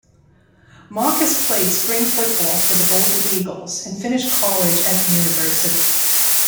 Marcus played spring football for the Golden Eagles and finished college at the university.